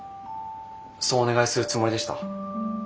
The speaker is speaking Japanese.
そうお願いするつもりでした。